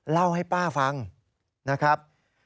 เล่าให้ป้าฟังนะครับ